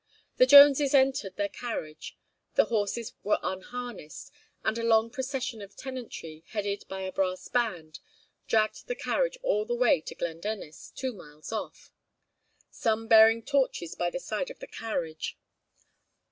The Joneses entered their carriage, the horses were unharnessed, and a long procession of tenantry, headed by a brass band, dragged the carriage all the way to Glandennis, two miles off, some bearing torches by the side of the carriage.